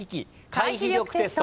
回避力テスト。